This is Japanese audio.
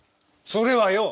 それはよ